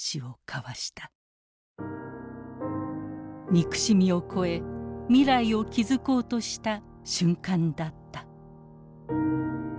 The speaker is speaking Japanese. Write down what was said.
憎しみを超え未来を築こうとした瞬間だった。